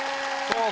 そう